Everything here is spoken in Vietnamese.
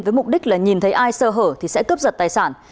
với mục đích là nhìn thấy ai sơ hở thì sẽ cướp giật tài sản